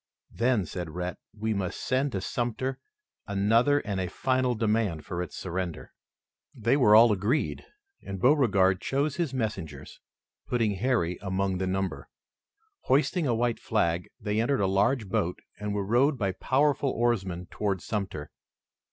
"Then," said Rhett, "we must send to Sumter another and a final demand for its surrender." They were all agreed, and Beauregard chose his messengers, putting Harry among the number. Hoisting a white flag, they entered a large boat and were rowed by powerful oarsmen toward Sumter.